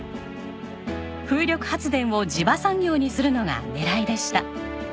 風力発電を地場産業にするのが狙いでした。